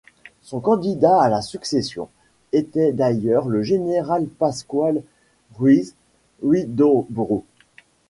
Son candidat à la succession était d’ailleurs le général Pascual Ruiz Huidobro.